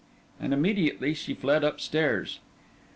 And immediately she fled upstairs.